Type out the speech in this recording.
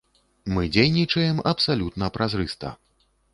Мы дзейнічаем абсалютна празрыста.